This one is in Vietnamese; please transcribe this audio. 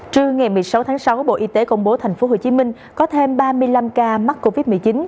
trưa ngày một mươi sáu tháng sáu bộ y tế công bố thành phố hồ chí minh có thêm ba mươi năm ca mắc covid một mươi chín